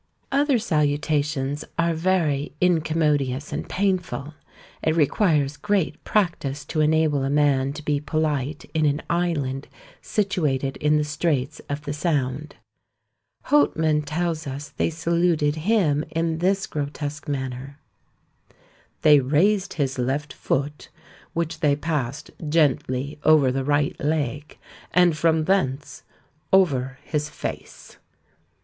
Other salutations are very incommodious and painful; it requires great practice to enable a man to be polite in an island situated in the straits of the Sound. Houtman tells us they saluted him in this grotesque manner: "They raised his left foot, which they passed gently over the right leg, and from thence over his face."